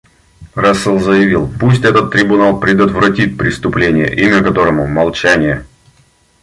Рассел заявил: «Пусть этот Трибунал предотвратит преступление, имя которому — молчание».